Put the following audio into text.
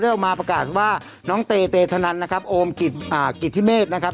ออกมาประกาศว่าน้องเตเตธนันนะครับโอมกิจธิเมฆนะครับ